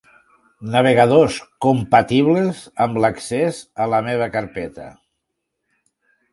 Navegadors compatibles amb l'accés a 'La meva carpeta'